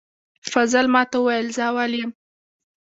فضل ماته وویل زه اول یم